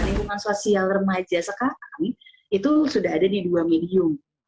lingkungan sosial remaja sekarang itu sudah ada di dua medium